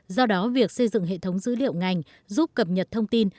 do đó việc xây dựng hệ thống dữ liệu ngành giúp cập nhật thông tin